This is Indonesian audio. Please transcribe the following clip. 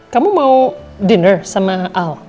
kamu mau dinner sama al